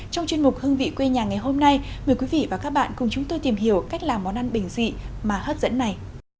trong chuyên mục hương vị quê nhà ngày hôm nay mời quý vị và các bạn cùng chúng tôi tìm hiểu cách làm món ăn bình dị mà hấp dẫn này